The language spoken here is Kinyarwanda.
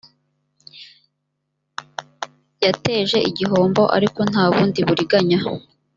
yateje igihombo ariko nta bundi buriganya